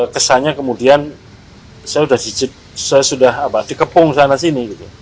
kesannya kemudian saya sudah dikepung sana sini